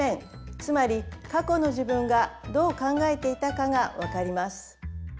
つまり過去の自分がどう考えていたかがわかります。